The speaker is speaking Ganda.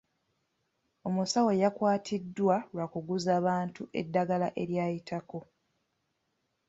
Omusawo yakwatiddwa lwa kuguza bantu eddagala eryayitako.